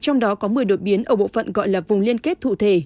trong đó có một mươi đột biến ở bộ phận gọi là vùng liên kết thủ thể